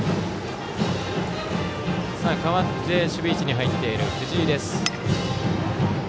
代わって守備位置に入っている藤井です。